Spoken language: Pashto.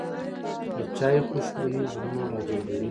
د چای خوشبويي زړونه راجلبوي